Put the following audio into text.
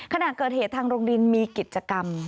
ขณะเกิดเหตุทางโรงเรียนมีกิจกรรม